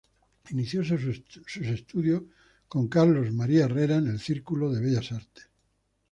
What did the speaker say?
Inició sus estudios con Carlos María Herrera en el Círculo de Bellas Artes.